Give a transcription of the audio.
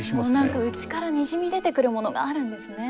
何か内からにじみ出てくるものがあるんですね。